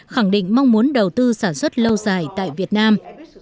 khẳng định mong muốn đầu tư sản xuất lâu dài tại việt nam